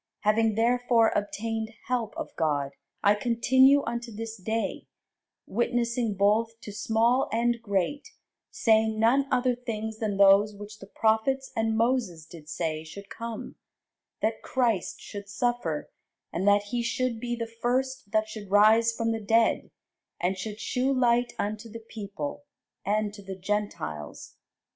Having therefore obtained help of God, I continue unto this day, witnessing both to small and great, saying none other things than those which the prophets and Moses did say should come: that Christ should suffer, and that he should be the first that should rise from the dead, and should shew light unto the people, and to the Gentiles.